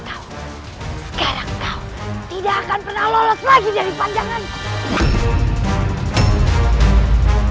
sekarang kau tidak akan lulus lagi dari panjanganku